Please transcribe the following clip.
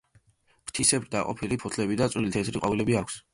ფრთისებრ დაყოფილი ფოთლები და წვრილი თეთრი ყვავილები აქვს.